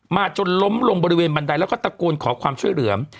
จนล้มลงบริเวณบันไดแล้วก็ตะโกนขอความช่วยเหลือ